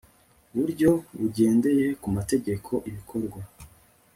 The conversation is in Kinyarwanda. buryo bugendeye ku mategeko ibikorwa